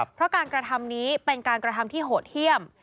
เพราะการกระทำนี้เป็นการกระทำที่โหดเยี่ยม